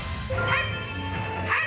はい！